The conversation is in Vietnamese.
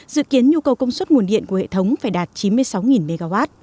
dự kiến nhu cầu công suất nguồn điện của hệ thống phải đạt chín mươi sáu mw